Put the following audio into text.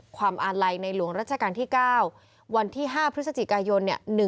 ความอาลัยในหลวงรัชกาลที่๙วันที่๕พฤศจิกายน